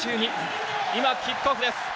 今キックオフです。